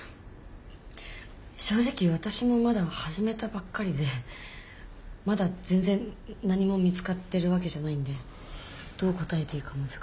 正直私もまだ始めたばっかりでまだ全然何も見つかってるわけじゃないんでどう答えていいか難しいんですけど。